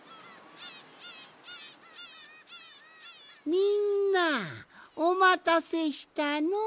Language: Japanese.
みんなおまたせしたのう。